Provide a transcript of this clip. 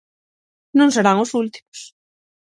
Non serán os últimos.